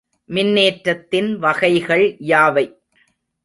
மின்னேற்றத்தின் வகைகள் யாவை?